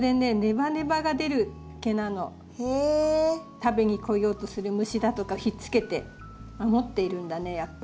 食べに来ようとする虫だとかをひっつけて守っているんだねやっぱり。